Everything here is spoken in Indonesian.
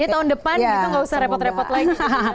jadi tahun depan itu nggak usah repot repot lagi